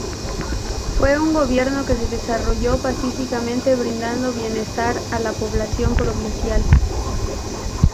Fue un gobierno que se desarrolló pacíficamente, brindando bienestar a la población provincial.